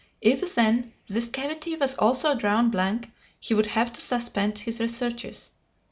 If, then, this cavity was also drawn blank, he would have to suspend his researches.